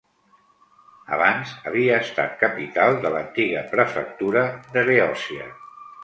Abans havia estat capital de l'antiga prefectura de Beòcia.